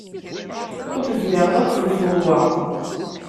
Ur tezmireḍ ad telseḍ wa.